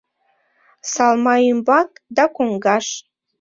Салма ӱмбак да коҥгаш!